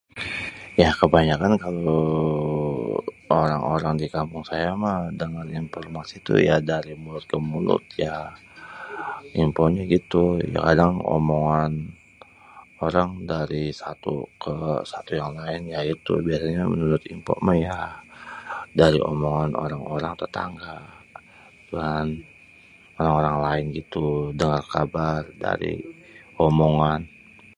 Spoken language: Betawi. ya kebanyakan kalo orang-orang dikampung saya meh dapét informasi ya dari itu dari mulut kemulut infonyé gitu kadang omongan kadang dari satu kesatu yang laén ya itu biasenyé menurut info méh yah dapét omongan dari orang-orang tetangga orang-orang laen gitu dengér kabar dari omongan